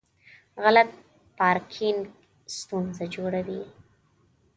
غلط پارکینګ ستونزه جوړوي.